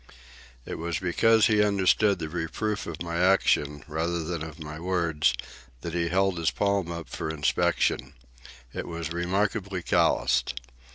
It was because he understood the reproof of my action, rather than of my words, that he held up his palm for inspection. It was remarkably calloused.